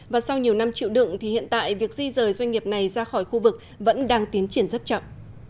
và sau nhiều năm chịu đựng thì hiện tại việc di rời doanh nghiệp này ra khỏi khu vực vẫn đang tiến triển rất chậm